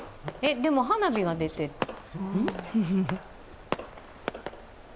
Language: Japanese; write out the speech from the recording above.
でも、花火が出てる。